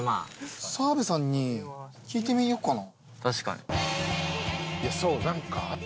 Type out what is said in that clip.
澤部さんに聞いてみようかな。